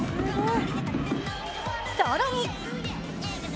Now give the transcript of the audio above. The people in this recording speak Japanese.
更に！